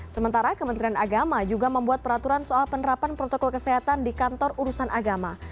sementara kementerian agama juga membuat peraturan soal penerapan protokol kesehatan di kantor urusan agama